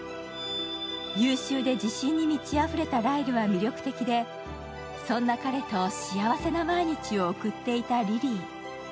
優秀で自信に満ちあふれたライルは魅力的で、そんな彼と幸せな毎日を送っていたリリー。